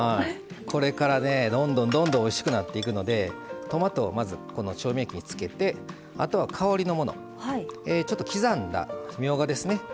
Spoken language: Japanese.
これからねどんどんどんどんおいしくなっていくのでトマトをまず調味液につけてあとは香りのもの刻んだみょうがですね。